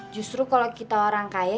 justru kalau kita orang kaya